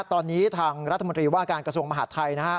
ตอนนี้ทางรัฐมนิวาการกระทรวงมหาทไทย